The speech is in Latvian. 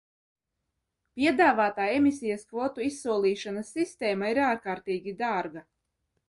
Piedāvātā emisijas kvotu izsolīšanas sistēma ir ārkārtīgi dārga.